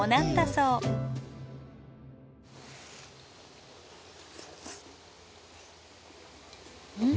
うん。